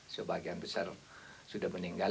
sebagian besar sudah meninggal